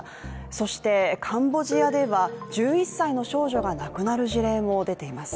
そして、カンボジアでは１１歳の少女が亡くなる事例も出ています。